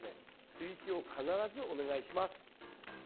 追肥を必ずお願いします。